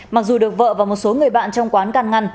mặc dù được vợ và một số người bạn trong quán can ngăn